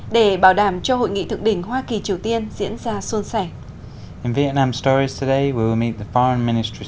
để bảo đảm cho hội nghị thượng đỉnh hoa kỳ triều tiên diễn ra xuân sẻ